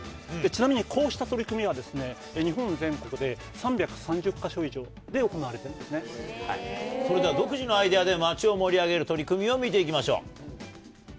ちなみにこうした取り組みは、日本全国で３３０か所以上で行わそれでは独自のアイデアで街を盛り上げる取り組みを見ていきましょう。